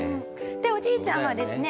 でおじいちゃんはですね